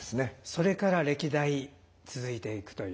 それから歴代続いていくという。